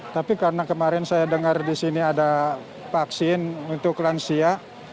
tapi karena kemarin saya dengar di sini ada vaksin untuk lansia